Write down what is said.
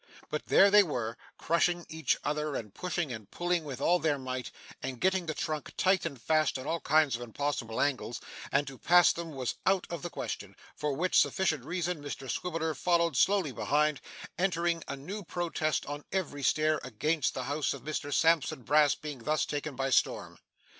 But there they were, crushing each other, and pushing and pulling with all their might, and getting the trunk tight and fast in all kinds of impossible angles, and to pass them was out of the question; for which sufficient reason, Mr Swiveller followed slowly behind, entering a new protest on every stair against the house of Mr Sampson Brass being thus taken by storm.